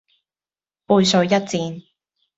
背水一戰